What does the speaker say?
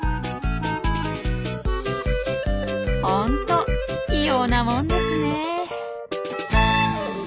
ホント器用なもんですね。